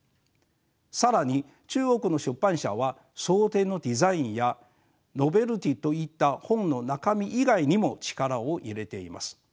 更に中国の出版社は装丁のデザインやノベルティーといった本の中身以外にも力を入れています。